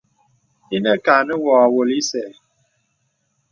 Ìnə kɛ nə wɔ̀ awɔlə ìsɛ.